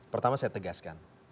pertama saya tegaskan